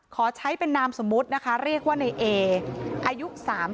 ขอใช้เป็นนามสมมุตินะคะเรียกว่าในเออายุ๓๐